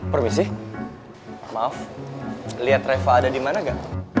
permisi maaf liat reva ada dimana ga